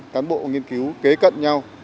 cán bộ nghiên cứu kế cận nhau